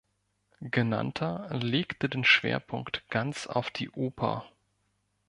Genannter legte den Schwerpunkt ganz auf die Oper.